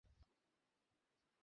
আমার জীবনটাই বেদনা।